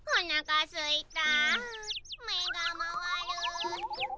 おなかすいた。